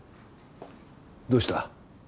どうした？